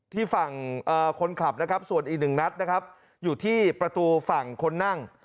ฝั่งคนขับนะครับส่วนอีกหนึ่งนัดนะครับอยู่ที่ประตูฝั่งคนนั่ง